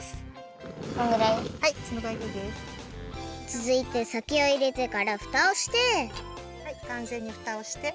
つづいてさけをいれてからフタをしてかんぜんにフタをして。